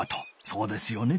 そうですよね？